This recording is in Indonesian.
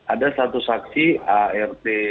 ada satu saksi art